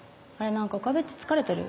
何か岡部っち疲れてる？